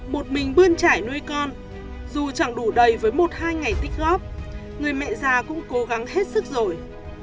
một mình bươn trải nuôi con dù chẳng đủ đầy với một hai ngày tích góp người mẹ già cũng cố gắng hết sức rồi